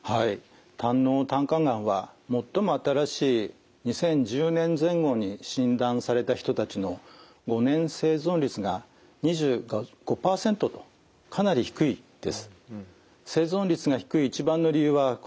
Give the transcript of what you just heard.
胆のう・胆管がんは最も新しい２０１０年前後に診断された人たちの５年生存率が２５％とかなり低いです。